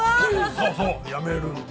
そうそうやめるんだ。